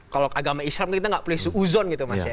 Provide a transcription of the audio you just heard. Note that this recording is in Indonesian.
kalau agama islam kita tidak perlu uzon